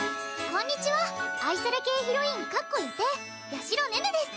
こんにちは愛され系ヒロイン八尋寧々です！